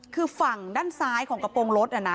คือฝั่งด้านซ้ายของกระโปรงรถ